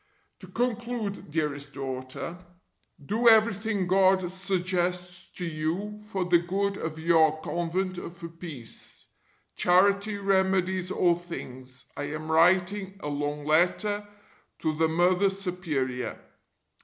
To conclude, dearest daughter, do everything God suggests to you for the good of your Convent and for peace. Charity remedies all things. I am writing a long letter to the (Mother) Superior.